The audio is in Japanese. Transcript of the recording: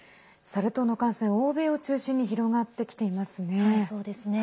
サル痘の感染、欧米を中心に広がってきていますね。